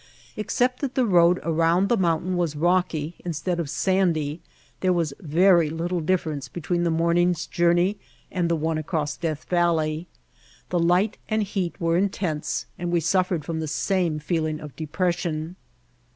Except that the road around the mountain was rocky instead of sandy there was very little difference between the morning's journey and the one across Death Valley. The light and heat were intense and we suffered from the same feeling of depression.